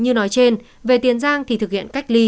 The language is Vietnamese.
như nói trên về tiền giang thì thực hiện cách ly